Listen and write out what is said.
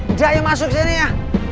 nggak yang masuk sini ya